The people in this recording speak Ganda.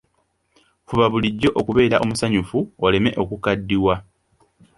Fuba bulijjo okubeera omusanyufu oleme okukaddiwa.